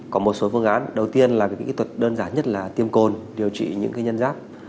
có một số phương án đầu tiên là kỹ thuật đơn giản nhất là tiêm cồn điều trị những nhân rác